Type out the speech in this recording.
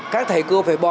các thầy cưa phải bò